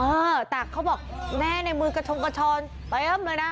เออแต่เขาบอกแม่ในมือกระชงกระชอนเต็มเลยนะ